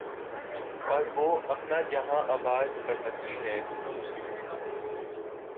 اور وہ اپنا جہاں آباد کر سکتی ہے۔